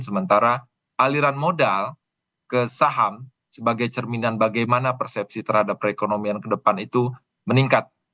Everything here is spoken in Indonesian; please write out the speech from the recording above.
sementara aliran modal ke saham sebagai cerminan bagaimana persepsi terhadap perekonomian ke depan itu meningkat